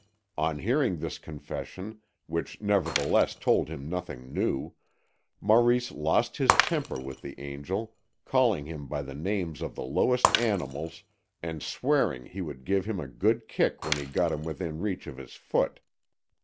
On hearing this confession, which nevertheless told him nothing new, Maurice lost his temper with the angel, calling him by the names of the lowest animals and swearing he would give him a good kick when he got him within reach of his foot.